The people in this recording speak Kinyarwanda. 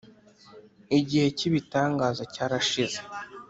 igihe cyibitangaza cyarashize